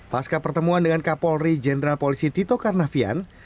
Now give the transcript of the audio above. pasca pertemuan dengan kapolri jenderal polisi tito karnavian